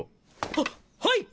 はっはい！